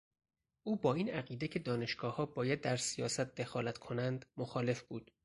او با این عقیده که دانشگاهها باید در سیاست دخالت کنند مخالف بود.